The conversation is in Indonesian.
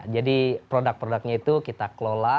jadi produk produknya itu kita kelola